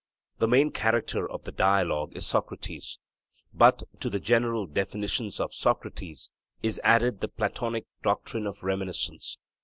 The main character of the Dialogue is Socrates; but to the 'general definitions' of Socrates is added the Platonic doctrine of reminiscence.